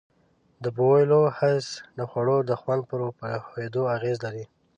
د بویولو حس د خوړو د خوند پر پوهېدو اغیز لري.